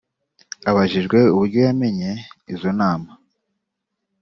Abajijwe uburyo yamenye izo nama